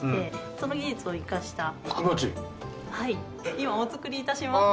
今お作り致しますので。